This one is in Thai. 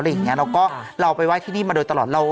แล้วก็เราไปไห้ที่นี่มาโดยตลอด